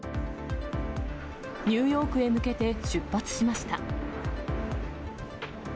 ニューヨークへ向けて出発しました。